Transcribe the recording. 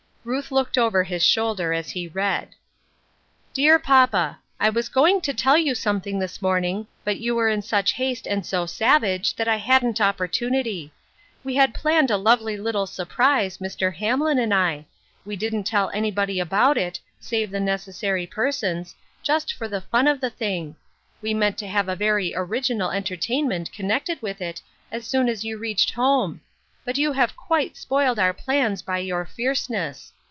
Ruth looked over his shoulder as he read : Dear Papa: I was going to tell you something this morning, but you were in such haste and so savage that I hadn't opportunity. We had planned a lovely little surprise, Mr. Hamlin and I ; we didn't tell anvbody about it, save the necessary persons, just for the fun of the thing; we meant to have a very original entertainment connected with it as soon as you reached home; but you have quite spoiled our plans by your fierceness.